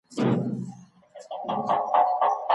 ولي مدام هڅاند د ذهین سړي په پرتله خنډونه ماتوي؟